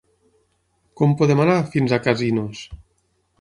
Com podem anar fins a Casinos?